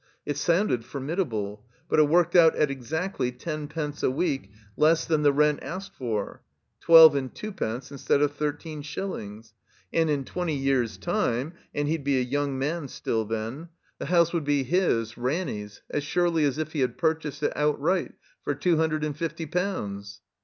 It sotmded formidable, but it worked out at exactly tenpence a week less than the rent asked for (twelve and twopence instead of thirteen shillings), and in twenty years' time — and he'd be a young man still then — ^the house would be 133 THE COMBINED MAZE his, Ranny's, as surely as if he had purchased it I outright for two hundred and fifty pounds.